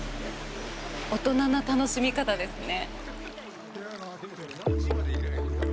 大人な楽しみ方ですね。